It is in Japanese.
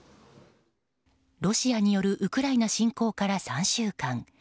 ロシアによるウクライナ侵攻から３週間。